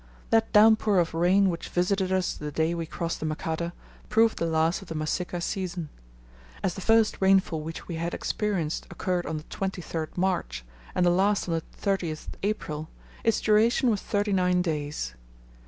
That down pour of rain which visited us the day we crossed the Makata proved the last of the Masika season. As the first rainfall which we had experienced occurred on the 23rd March, and the last on the 30th April, its duration was thirty nine days.